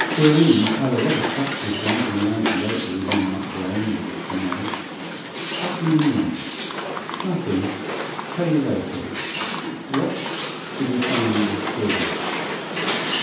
"Thurene's had a lot of practice writing ads lately," remarked Graham, with a smile. "What do you mean?" "Nothing. Tell you later. What'd you find in the store?"